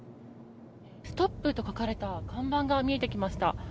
ストップと書かれた看板が見えてきました。